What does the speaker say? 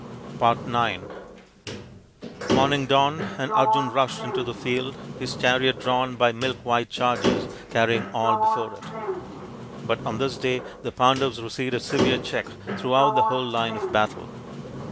IX Morning dawned, and Arjun rushed into the field, his chariot drawn by milk white chargers carrying all before it. But on this day the Pandavs received a severe check throughout the whole line of battle.